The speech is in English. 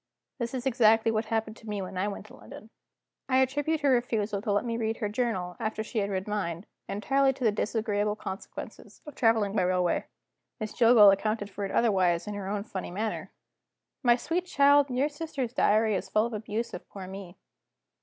This is exactly what happened to me when I went to London. I attribute her refusal to let me read her journal, after she had read mine, entirely to the disagreeable consequences of traveling by railway. Miss Jillgall accounted for it otherwise, in her own funny manner: "My sweet child, your sister's diary is full of abuse of poor me."